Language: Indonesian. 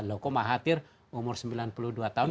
dan lo kok mahatir umur sembilan puluh dua tahun